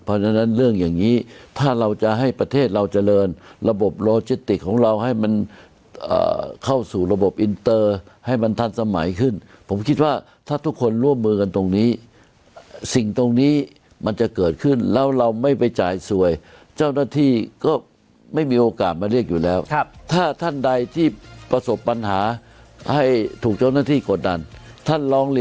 เพราะฉะนั้นเรื่องอย่างนี้ถ้าเราจะให้ประเทศเราเจริญระบบโลจิติกของเราให้มันเข้าสู่ระบบอินเตอร์ให้มันทันสมัยขึ้นผมคิดว่าถ้าทุกคนร่วมมือกันตรงนี้สิ่งตรงนี้มันจะเกิดขึ้นแล้วเราไม่ไปจ่ายสวยเจ้าหน้าที่ก็ไม่มีโอกาสมาเรียกอยู่แล้วถ้าท่านใดที่ประสบปัญหาให้ถูกเจ้าหน้าที่กดดันท่านร้อง